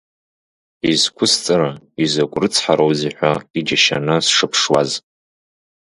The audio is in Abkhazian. Изқәысҵара, изакә рыцҳароузеи ҳәа иџьашьаны сшыԥшуаз…